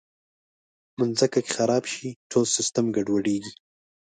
مځکه که خراب شي، ټول سیسټم ګډوډېږي.